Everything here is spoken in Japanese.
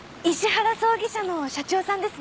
葬儀社の社長さんですね？